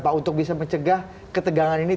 pak untuk bisa mencegah ketegangan ini